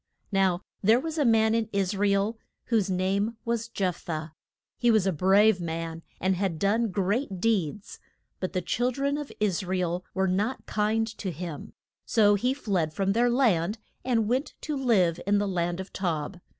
Now there was a man in Is ra el whose name was Jeph thah. He was a brave man, and had done great deeds, but the chil dren of Is ra el were not kind to him, so he fled from their land, and went to live in the land of Tob.